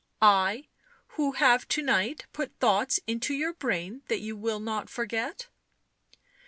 " I, who have to night put thoughts into your brain that you will not forget?"